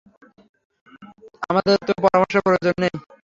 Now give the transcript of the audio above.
আমাদের তোর পরামর্শের প্রয়োজন নেই।